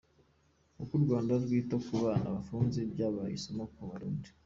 Uko u Rwanda rwita ku bana bafunze byabaye isomo ku Barundi